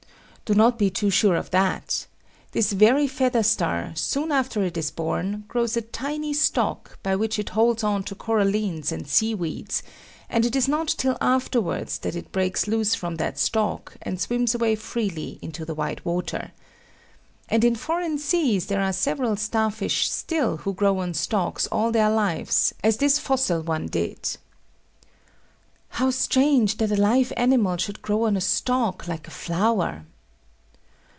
Do not be too sure of that. This very feather star, soon after it is born, grows a tiny stalk, by which it holds on to corallines and sea weeds; and it is not till afterwards that it breaks loose from that stalk, and swims away freely into the wide water. And in foreign seas there are several star fish still who grow on stalks all their lives, as this fossil one did. How strange that a live animal should grow on a stalk, like a flower!